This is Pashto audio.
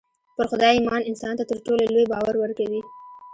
پر خدای ايمان انسان ته تر ټولو لوی باور ورکوي.